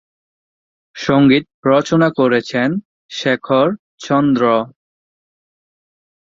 সংগীত রচনা করেছেন শেখর চন্দ্র।